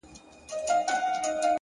اخلاص د باور تر ټولو قوي بنسټ دی,